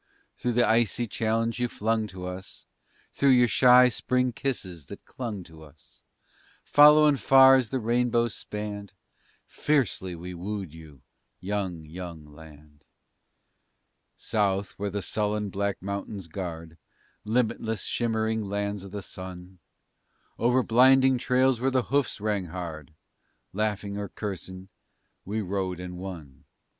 Through the icy challenge you flung to us, Through your shy Spring kisses that clung to us, Following far as the rainbow spanned, Fiercely we wooed you, young, young land! South, where the sullen black mountains guard Limitless, shimmering lands of the sun, Over blinding trails where the hoofs rang hard, Laughing or cursing, we rode and won.